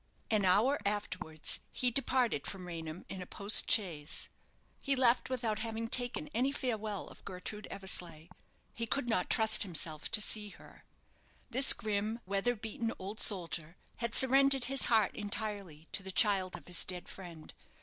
An hour afterwards he departed from Raynham in a post chaise. He left without having taken any farewell of Gertrude Eversleigh. He could not trust himself to see her. This grim, weather beaten old soldier had surrendered his heart entirely to the child of his dead friend.